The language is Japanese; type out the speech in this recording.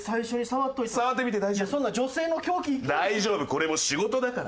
これも仕事だから。